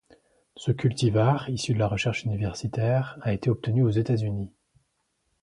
Ce cultivar, issu de la recherche universitaire, a été obtenu aux États-Unis.